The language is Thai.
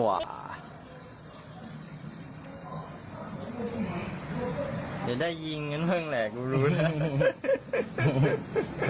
เดี๋ยวได้ยิงกันเวลาแหละกูรู้น่ะ